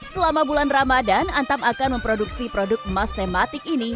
selama bulan ramadan antam akan memproduksi produk emas tematik ini